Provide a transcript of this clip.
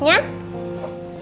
jangan lupa langsung berikuti